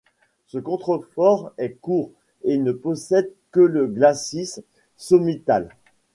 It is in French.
Ce contrefort est court, et ne possède que le glacis sommital.